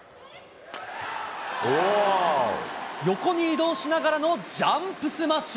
横に移動しながらのジャンプスマッシュ。